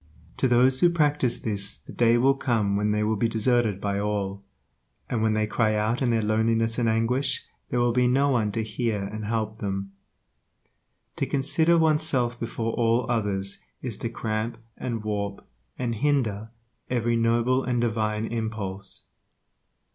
To those who practice this the day will come when they will be deserted by all, and when they cry out in their loneliness and anguish there will be no one to hear and help them. To consider one's self before all others is to cramp and warp and hinder every noble and divine impulse.